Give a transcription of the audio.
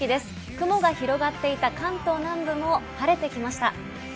雲が広がっていた関東南部も晴れてきました。